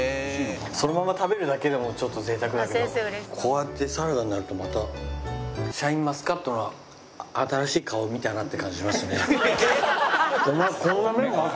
そのまま食べるだけでもちょっと贅沢だけどこうやってサラダになるとまたシャインマスカットの新しい顔を見たなって感じしますね。